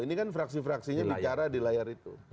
ini kan fraksi fraksinya bicara di layar itu